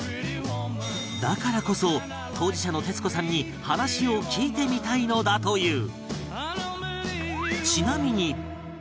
だからこそ当事者の徹子さんに話を聞いてみたいのだという